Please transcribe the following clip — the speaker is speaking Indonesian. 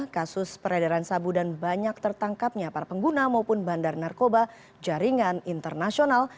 kasus peredaran sabu dan banyak tertangkapnya para pengguna maupun bandar narkoba jaringan internasional